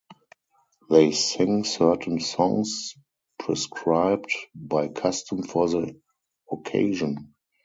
They sing certain songs prescribed by custom for the occasion.